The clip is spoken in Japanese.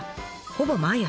ほぼ毎朝。